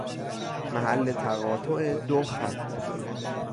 محل تقاطع دو خط